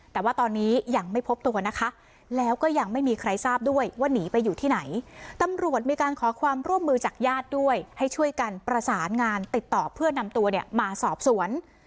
แต่ว่าตอนนี้ยังไม่พบตัวนะคะแล้วก็ยังไม่มีใครทราบด้วยว่าหนีไปอยู่ที่ไหนตำรวจมีการขอความร่วมมือจากญาติด้วยให้ช่วยกันประสานงานติดต่อเพื่อนำตัวเนี่ยมาสอบสวน